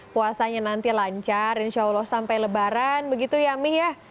puasanya nanti lancar insya allah sampai lebaran begitu ya mih ya